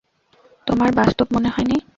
তোমার বাস্তব মনে হয় নি?